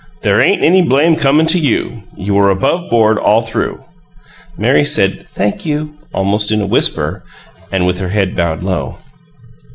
There ain't any blame comin' to you you were above board all through." Mary said, "Thank you," almost in a whisper, and with her head bowed low.